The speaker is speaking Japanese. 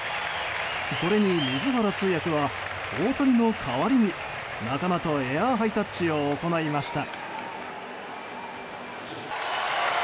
これに水原通訳は大谷の代わりに仲間とエアハイタッチを行いました。